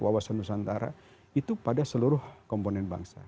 wawasan nusantara itu pada seluruh komponen bangsa